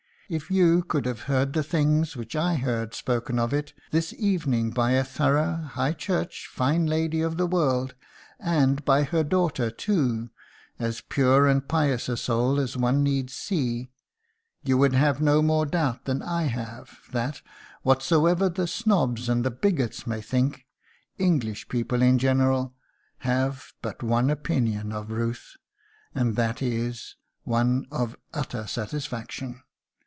If you could have heard the things which I heard spoken of it this evening by a thorough High Church, fine lady of the world, and by her daughter, too, as pure and pious a soul as one need see, you would have no more doubt than I have, that, whatsoever the 'snobs' and the bigots may think, English people, in general, have but one opinion of 'Ruth,' and that is, one of utter satisfaction.